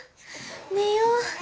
寝よう？